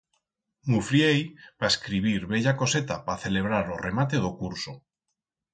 M'ufriei pa escribir bella coseta pa celebrar o remate d'o curso.